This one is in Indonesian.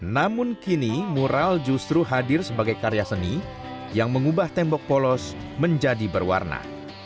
namun kini mural justru hadir sebagai karya seni yang mengubah tembok polos menjadi berwarna